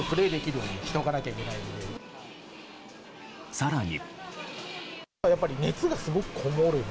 更に。